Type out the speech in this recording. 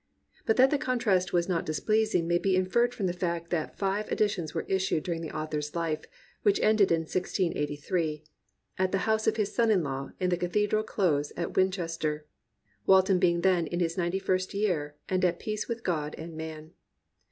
But that the contrast was not displeasing may be inferred from the fact that five editions were issued during the author*s life, which ended in 1683, at the house of his son in law in the cathedral close at Winchester, Walton being then in his ninety first year and at peace with God and man.